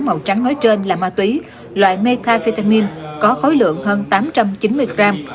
màu trắng nói trên là ma túy loại metafetamin có khối lượng hơn tám trăm chín mươi gram